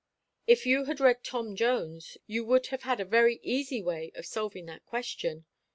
"If you had read Tom Jones you would have had a very easy way of solving that question.